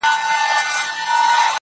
كړۍ ،كـړۍ لكه ځنځير ويـده دی.